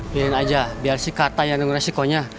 pindahin aja biar si karta yang nunggu resikonya